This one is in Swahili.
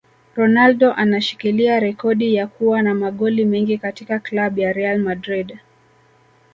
Ronaldo anashikilia rekodi ya kua na magoli mengi katika club ya Real Madrid